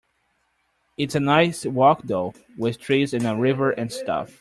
It's a nice walk though, with trees and a river and stuff.